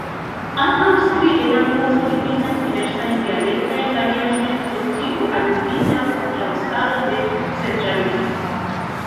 Ankaŭ skribe la normo difinas diversajn dialektajn variaĵojn, pro tiu aludita kontraŭstaro de centralizismo.